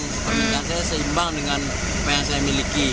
pemerintahan saya seimbang dengan yang saya miliki